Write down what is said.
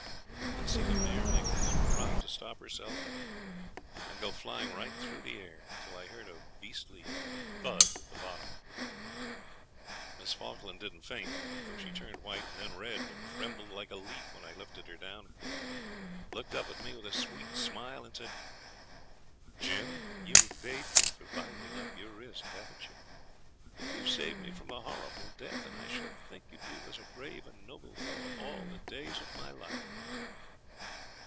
I could see the mare make one prop to stop herself, and then go flying right through the air, till I heard a beastly "thud" at the bottom. 'Miss Falkland didn't faint, though she turned white and then red, and trembled like a leaf when I lifted her down, and looked up at me with a sweet smile, and said '"Jim, you have paid me for binding up your wrist, haven't you? You have saved me from a horrible death, and I shall think of you as a brave and noble fellow all the days of my life."